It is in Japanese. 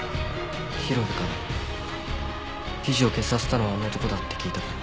広辺から記事を消させたのはあの男だって聞いたから。